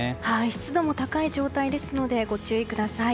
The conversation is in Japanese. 湿度も高い状態ですのでご注意ください。